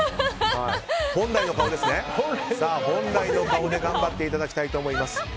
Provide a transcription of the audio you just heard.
本来の顔で頑張っていただきたいと思います。